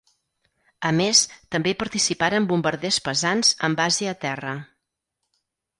A més, també hi participaren bombarders pesants amb base a terra.